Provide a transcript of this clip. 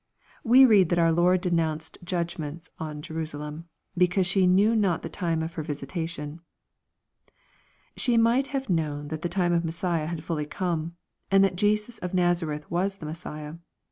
We read that our Lord denounced judgments on Jerusalem, '* because she knew not the time of her visitation." She might have known that the times of Messiah had fully come, and that Jesus of Nazareth was the Messiah.